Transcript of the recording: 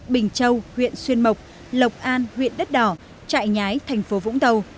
bình châu huyện xuyên mộc lộc lộc an huyện đất đỏ trại nhái thành phố vũng tàu